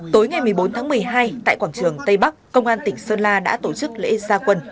tối ngày một mươi bốn tháng một mươi hai tại quảng trường tây bắc công an tỉnh sơn la đã tổ chức lễ gia quân